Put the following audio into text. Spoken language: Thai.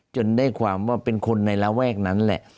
จนได้ความว่าเป็นคนในระแวกนั้นแหละ